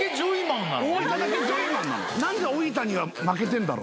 なんで大分には負けてるんだろ？